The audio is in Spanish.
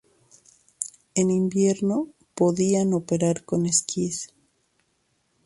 En invierno podían operar con esquíes.